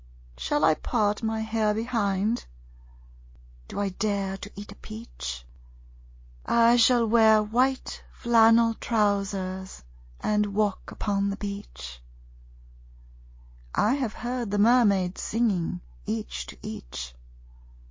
Shall I part my hair behind? Do I dare to eat a peach? I shall wear white flannel trousers, and walk upon the beach. I have heard the mermaids singing, each to each.